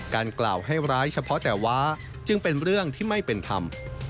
กล่าวให้ร้ายเฉพาะแต่ว้าจึงเป็นเรื่องที่ไม่เป็นธรรม